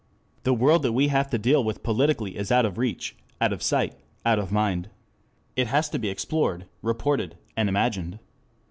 7 The world that we have to deal with politically is out of reach, out of sight, out of mind. It has to be explored, reported, and imagined.